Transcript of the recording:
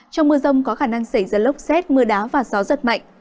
trong mưa rông có khả năng xảy ra lốc xét mưa đá và gió giật mạnh